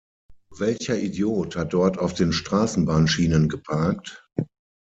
Welcher Idiot hat dort auf den Straßenbahnschienen geparkt?